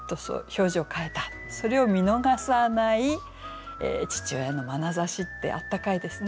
それを見逃さない父親のまなざしって温かいですね。